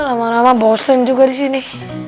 lama lama bosen juga disini